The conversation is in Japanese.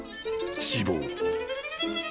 死亡］